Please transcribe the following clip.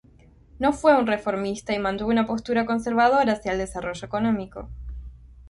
No fue un reformista y mantuvo una postura conservadora hacia el desarrollo económico.